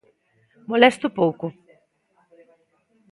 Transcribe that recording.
Molesto pouco.